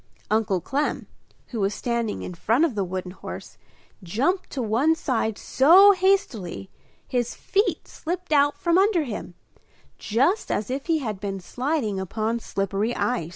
Uncle Clem, who was standing in front of the wooden horse, jumped to one side so hastily his feet slipped out from under him, just as if he had been sliding upon slippery ice.